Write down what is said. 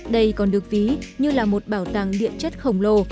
đây còn được ví như là một bảo tàng điện chất khổng lồ